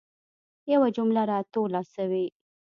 یوه جمله را توله سوي.